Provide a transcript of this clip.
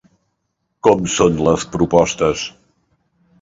Com són les propostes?